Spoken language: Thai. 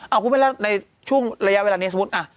เอาคุณแม่แล้วในช่วงระยะเวลานี้สมมุติ